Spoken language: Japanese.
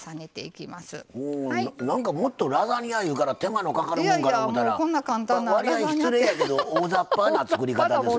なんかもっとラザニアいうから手間のかかるもんかな思ったらわりあい失礼やけど大ざっぱな作り方ですな。